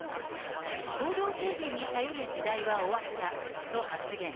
行動制限に頼る時代は終わったと発言。